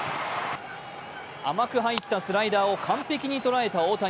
甘く入ったスライダーを完璧に捉えた大谷。